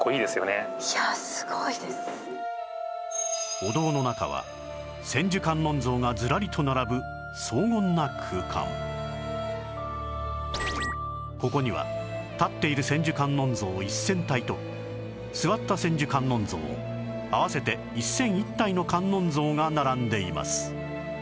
お堂の中は千手観音像がずらりと並ぶここには立っている千手観音像１０００体と座った千手観音像合わせて１００１体の観音像が並んでいます